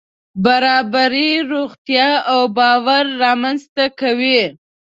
برابري روغتیا او باور رامنځته کوي.